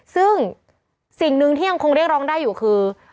ซึ่งสิ่งหนึ่งที่ยังคงเรียกร้องได้อยู่คือ